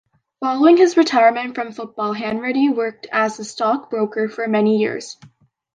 Following his retirement from football, Hanratty worked as a stock broker for many years.